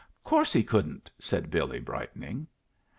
"Course he couldn't," said Billy, brightening.